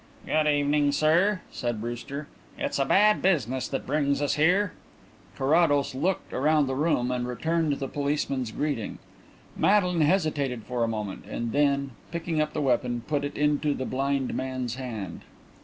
"Good evening, sir," said Brewster. "It's a bad business that brings us here." Carrados "looked" round the room and returned the policeman's greeting. Madeline hesitated for a moment, and then, picking up the weapon, put it into the blind man's hand.